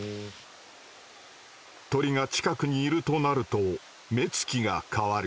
鳥が近くにいるとなると目つきが変わる。